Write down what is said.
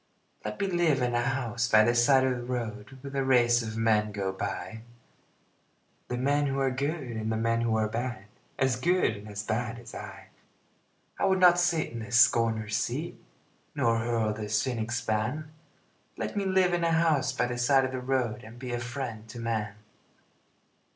Let me live in a house by the side of the road Where the race of men go by The men who are good and the men who are bad, As good and as bad as I. I would not sit in the scorner's seat Nor hurl the cynic's ban Let me live in a house by the side of the road And be a friend to man.